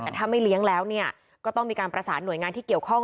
แต่ถ้าไม่เลี้ยงแล้วก็ต้องมีการประสานหน่วยงานที่เกี่ยวข้อง